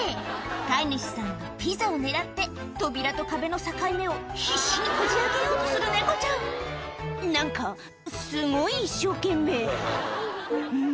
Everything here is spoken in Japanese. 飼い主さんのピザを狙って扉と壁の境目を必死にこじ開けようとする猫ちゃん何かすごい一生懸命うん？